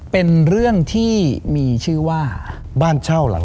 เป็นเรื่องที่มีชื่อว่า